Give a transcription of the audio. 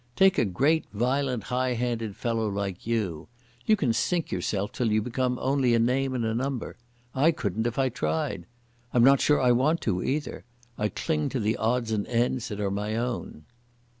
Take a great violent high handed fellow like you. You can sink yourself till you become only a name and a number. I couldn't if I tried. I'm not sure if I want to either. I cling to the odds and ends that are my own."